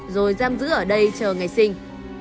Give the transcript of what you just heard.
rồi giam giữ ở đây chờ ngày sinh